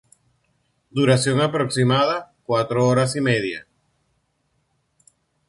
Duración aproximada: cuatro horas y media.